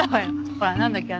ほらなんだっけ？